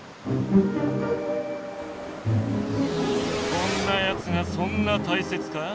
こんなやつがそんなたいせつか？